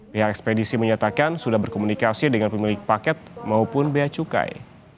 pihak ekspedisi menyatakan sudah berkomunikasi dengan pemilik paket maupun bea cukai